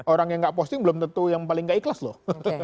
orang yang gak posting belum tentu yang paling gak ikhlas loh